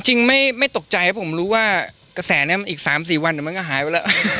จริงไม่ตกใจผมรู้ว่ากระแสสามสี่วันอาจมันก็หายไว้แล้ว